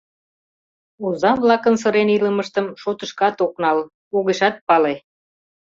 Оза-влакын сырен илымыштым шотышкат ок нал — огешат пале.